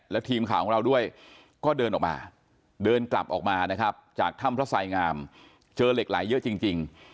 แล้วทีมข่าวของเราด้วยก็เดินออกมาเดินกลับออกมานะครับจากถ้ำพระสายงามเจอเหล็กไหลเยอะจริง